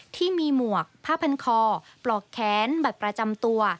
ที่มีหมวกผ้าพันคอปลอกแค้นบัตรประจำตัว